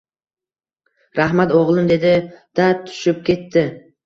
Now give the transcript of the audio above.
Rahmat oʻgʻlim, dedi-da, tushib ketdi.